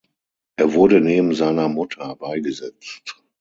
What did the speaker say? Er wurde neben seiner Mutter beigesetzt.